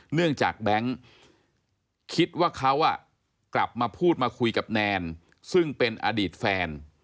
เนื่องจากแบงค์คิดว่าเขากลับมาพูดมาคุยกับแนนซึ่งเป็นอดีตแฟน